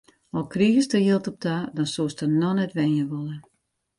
Al krigest der jild op ta, dan soest der noch net wenje wolle.